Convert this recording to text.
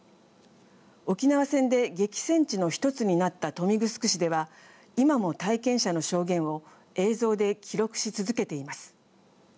沖縄戦で激戦地の一つになった豊見城市では今も体験者の証言を映像で記録し続けています。